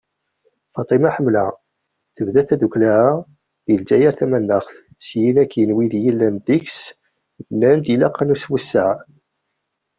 Faṭima Hamla: Tebda tddukkla-a di Lezzayer tamanaɣt, syin akkin wid yellan deg-s nnan-d ilaq ad nessewseɛ.